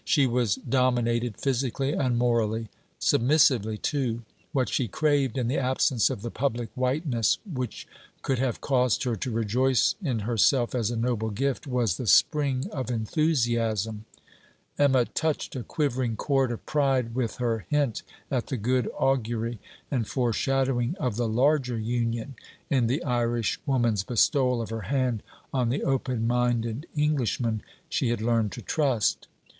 She was dominated, physically and morally, submissively too. What she craved, in the absence of the public whiteness which could have caused her to rejoice in herself as a noble gift, was the spring of enthusiasm. Emma touched a quivering chord of pride with her hint at the good augury, and foreshadowing of the larger Union, in the Irishwoman's bestowal of her hand on the open minded Englishman she had learned to trust.